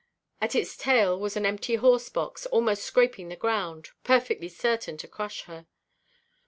At its tail was an empty horse–box, almost scraping the ground, perfectly certain to crush her.